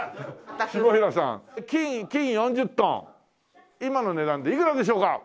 下平さん金４０トン今の値段でいくらでしょうか？